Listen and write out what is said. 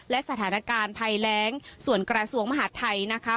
และสถานการณ์ภัยแรงส่วนกระทรวงมหาดไทยนะคะ